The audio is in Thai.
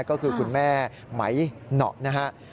ก็คือคุณแม่ไหมเหนาะนะฮะ